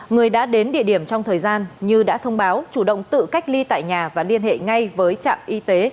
người đã đến địa điểm trong thời gian như đã thông báo chủ động tự cách ly tại nhà và liên hệ ngay với trạm y tế